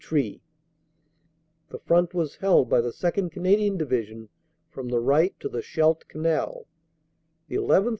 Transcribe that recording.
The front was held by the 2nd. Canadian Division from the right to the Scheldt Canal the llth.